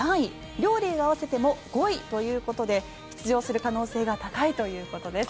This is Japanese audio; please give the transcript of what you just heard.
両リーグ合わせても５位ということで出場する可能性が高いということです。